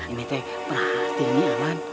ini tuh perhatiannya paman